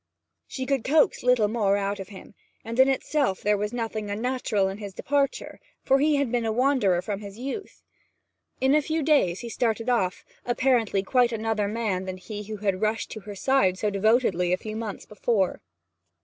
She could coax little more out of him, and in itself there was nothing unnatural in his departure, for he had been a wanderer from his youth. In a few days he started off, apparently quite another man than he who had rushed to her side so devotedly a few months before.